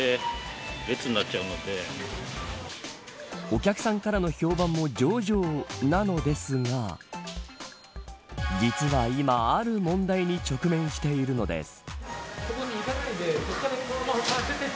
お客さんからの評判も上々なのですが実は今ある問題に直面しているのです。